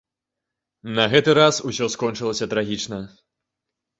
На гэты раз усё скончылася трагічна.